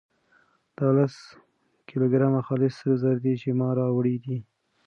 دا لس کيلو ګرامه خالص سره زر دي چې ما راوړي دي.